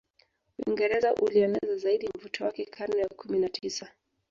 Uingereza ulieneza zaidi mvuto wake karne ya Kumi na tisa